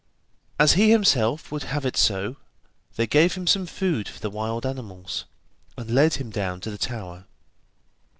As he himself would have it so, they gave him some food for the wild animals, and led him down to the tower.